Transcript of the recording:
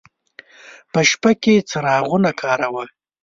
په شپه کې څراغونه کاروه.